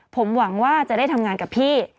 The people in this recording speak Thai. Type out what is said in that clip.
ผมหวังว่าจะได้ทำงานกับพี่